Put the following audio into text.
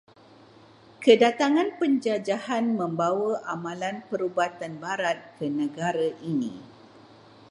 Kedatangan penjajahan membawa amalan perubatan barat ke negara ini.